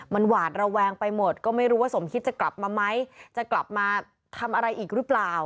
มันหวาดระแวงไปหมดก็ไม่รู้ว่าสมคิดจะกลับมาไหมจะกลับมาทำอะไรอีกหรือเปล่า